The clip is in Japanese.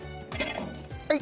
はい！